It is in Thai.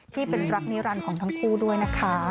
ที่เป็นรักนิรันดิ์ของทั้งคู่ด้วยนะคะ